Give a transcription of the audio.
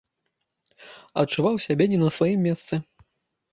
Адчуваў сябе не на сваім месцы.